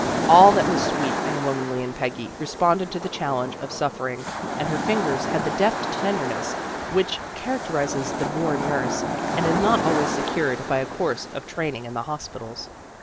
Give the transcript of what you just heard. All that was sweet and womanly in Peggy responded to the challenge of suffering, and her fingers had the deft tenderness which charac terizes the born nurse, and is not always secured by a course of training in the hospitals.